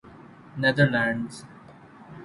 neither lands